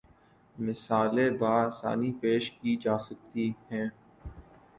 مثالیں باآسانی پیش کی جا سکتی ہیں